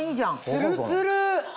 ツルツル！